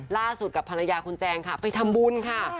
กับภรรยาคุณแจงค่ะไปทำบุญค่ะ